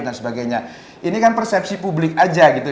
dan sebagainya ini kan persepsi publik saja gitu